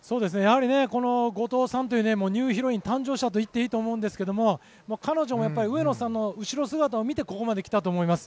後藤さんというニューヒロインが誕生したといってもいいと思うんですが彼女もやっぱり上野さんの後ろ姿を見てここまで来たと思います。